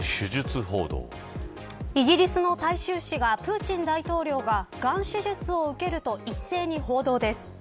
イギリスの大衆紙がプーチン大統領ががん手術を受けると一斉に報道です。